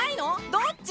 どっち？